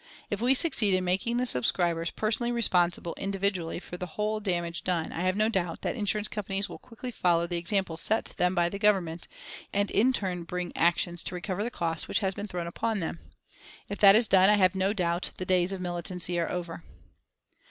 If we succeed in making the subscribers personally responsible individually for the whole damage done I have no doubt that the insurance companies will quickly follow the example set them by the Government, and in turn bring actions to recover the cost which has been thrown upon them. If that is done I have no doubt the days of militancy are over.